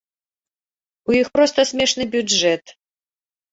У іх проста смешны бюджэт.